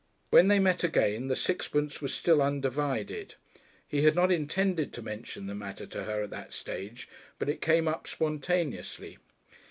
When they met again the sixpence was still undivided. He had not intended to mention the matter to her at that stage, but it came up spontaneously.